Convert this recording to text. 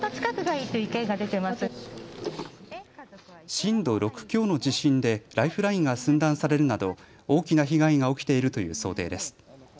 震度６強の地震でライフラインが寸断されるなど大きな被害が起きているという想定です。